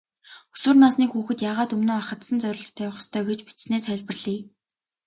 Өсвөр насны хүүхэд яагаад өмнөө ахадсан зорилт тавих ёстой гэж бичсэнээ тайлбарлая.